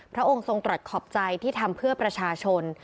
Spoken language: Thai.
พระองค์ทรงตรัสขอบใจที่ทำเพื่อประชาชน